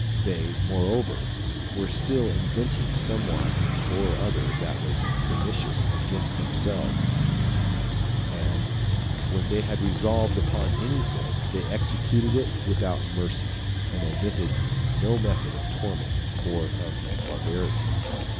They, moreover, were still inventing somewhat or other that was pernicious against themselves; and when they had resolved upon any thing, they executed it without mercy, and omitted no method of torment or of barbarity.